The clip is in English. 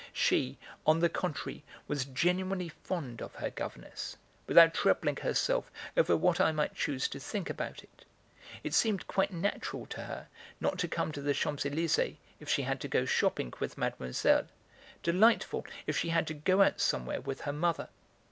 She, on the contrary, was genuinely fond of her governess, without troubling herself over what I might choose to think about it. It seemed quite natural to her not to come to the Champs Elysées if she had to go shopping with Mademoiselle, delightful if she had to go out somewhere with her mother.